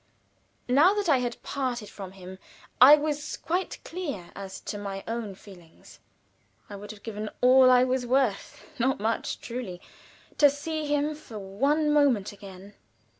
Now that I had parted from him I was quite clear as to my own feelings. I would have given all I was worth not much, truly to see him for one moment again.